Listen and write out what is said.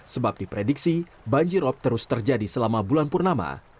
sebab diprediksi banjirop terus terjadi selama bulan purnama